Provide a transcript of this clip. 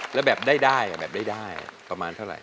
แล้วแบบได้ได้แบบได้ได้ประมาณเท่าไร